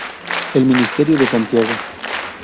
El misterio de Santiago".